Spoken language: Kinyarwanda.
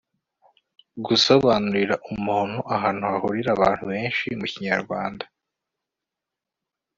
gusobanurira umuntu ahantu hahurira abantu benshi mu kinyarwanda